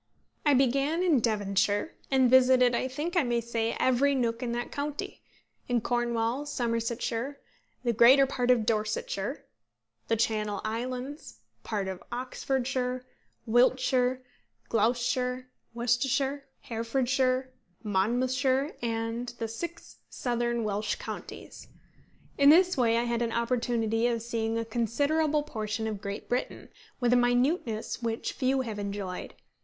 I began in Devonshire; and visited, I think I may say, every nook in that county, in Cornwall, Somersetshire, the greater part of Dorsetshire, the Channel Islands, part of Oxfordshire, Wiltshire, Gloucestershire, Worcestershire, Herefordshire, Monmouthshire, and the six southern Welsh counties. In this way I had an opportunity of seeing a considerable portion of Great Britain, with a minuteness which few have enjoyed.